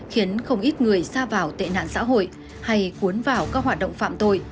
khiến không ít người xa vào tệ nạn xã hội hay cuốn vào các hoạt động phạm tội